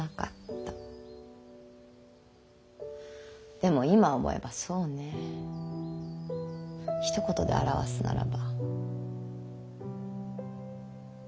でも今思えばそうねひと言で表すならばどうかしてました。